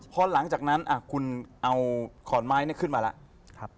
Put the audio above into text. พอหลังจากนั้นคุณเอาขอนไม้ขึ้นมาแล้ว